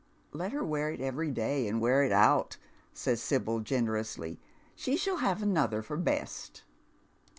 *' Let her wear it every day and wear it out," says Sibyl, generously ; she shall have another for best."